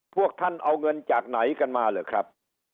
พวกท่านเอาเงินจากไหนกันมาเหรอครับ